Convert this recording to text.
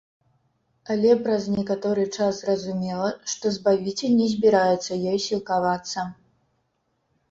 Але праз некаторы час зразумела, што збавіцель не збіраецца ёй сілкавацца.